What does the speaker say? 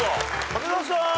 武田さん